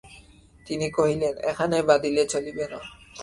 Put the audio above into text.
তিনি কহিলেন, এখানে বাঁধিলে চলিবে না।